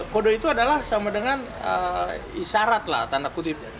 kode itu adalah sama dengan isyarat lah tanda kutip